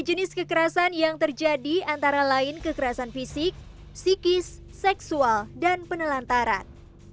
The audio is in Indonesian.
jenis kekerasan yang terjadi antara lain kekerasan fisik psikis seksual dan penelantaran